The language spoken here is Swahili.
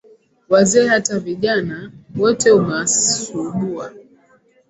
Wazee hata vijana, wote umewasubua,